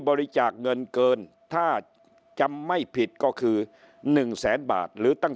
บริจาคเงินเกินถ้าจำไม่ผิดก็คือหนึ่งแสนบาทหรือตั้ง